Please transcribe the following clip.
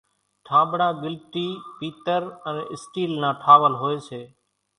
ٺانٻڙان ڳِلٽِي، پيتر انين اِسٽيل نان ٺاول هوئيَ سي۔